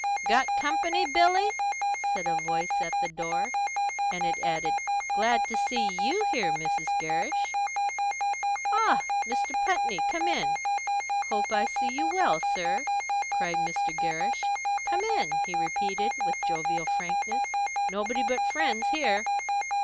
"Got company, Billy?" asked a voice at the door; and it added, "Glad to see you here, Mrs. Gerrish." "Ah, Mr. Putney! Come in. Hope I see you well, sir!" cried Mr. Gerrish. "Come in!" he repeated, with jovial frankness. "Nobody but friends here."